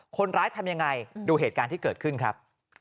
คนร้ายทำยังไงดูเหตุการณ์ที่เกิดขึ้นครับ